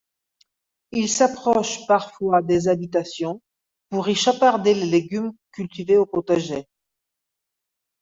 Il s'approche parfois des habitations pour y chaparder les légumes cultivés au potager.